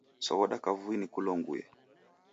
Soghoda kavui nikulonguye.